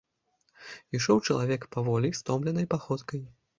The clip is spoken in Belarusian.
Ішоў чалавек паволі, стомленай паходкай.